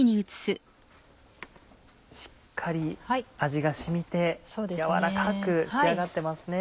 しっかり味が染みて軟らかく仕上がってますね。